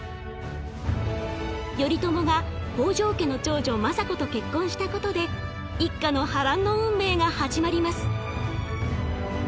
頼朝が北条家の長女政子と結婚したことで一家の波乱の運命が始まります。